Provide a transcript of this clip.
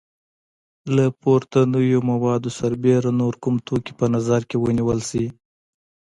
له پورتنیو موادو سربیره نور کوم توکي په نظر کې ونیول شي؟